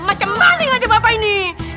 macem maling aja bapak ini